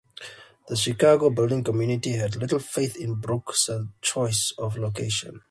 The Chicago building community had little faith in Brooks' choice of location.